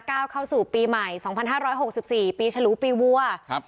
เข้าสู่ปีใหม่สองพันห้าร้อยหกสิบสี่ปีฉลูปีวัวครับ